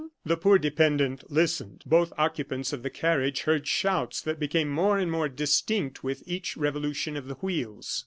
The poor dependent listened. Both occupants of the carriage heard shouts that became more and more distinct with each revolution of the wheels.